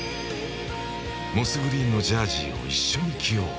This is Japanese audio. モスグリーンのジャージを一緒に着よう。